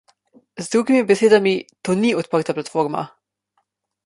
Z drugimi besedami, to ni odprta platforma.